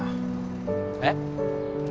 えっ？